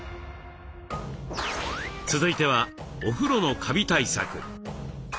続いてはお風呂のカビ対策。